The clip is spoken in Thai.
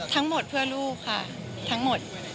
ทั้งหมดเพื่อลูกค่ะทั้งหมด